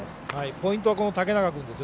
ポイントは竹中君です。